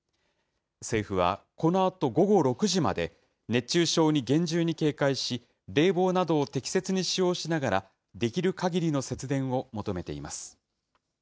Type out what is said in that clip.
政府は、このあと午後６時まで、熱中症に厳重に警戒し、冷房などを適切に使用しながらできるかぎりの節電を求めています。